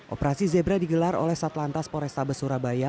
operasi zebra digelar oleh saat lantas polrestabes surabaya